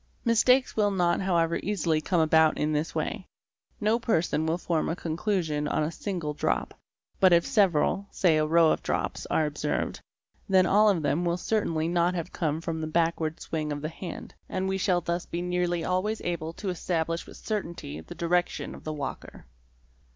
Mistakes will not however easily come about in this way. No person will form a conclusion on a single drop, but if several, say a row of drops, are observed, then all of them will certainly not have come from the backward swing of the hand, and we shall thus be nearly always able to establish with certainty the direction of the walker.